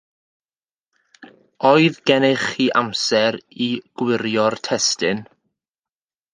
Oedd gennych chi amser i gywiro'r testun?